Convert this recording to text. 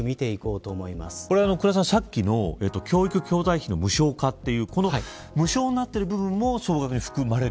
さっきの教育教材費の無償化という無償になっている部分も総額に含まれる。